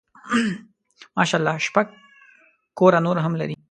ماشاء الله شپږ کوره نور هم لري.